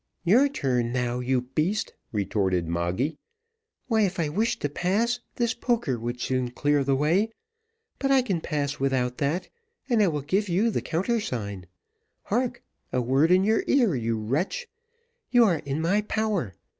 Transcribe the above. "Your turn now, you beast!" retorted Moggy. "Why, if I wished to pass, this poker would soon clear the way; but I can pass without that, and I will give you the countersign. Hark! a word in your ear, you wretch. You are in my power.